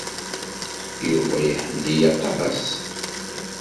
Yuba iḥemmel-iyi aṭas.